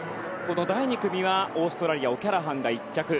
第２組はオーストラリアオキャラハンが１着。